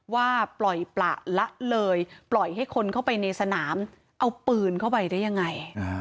ว่าปล่อยปละละเลยปล่อยให้คนเข้าไปในสนามเอาปืนเข้าไปได้ยังไง